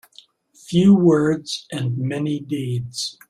Few words and many deeds.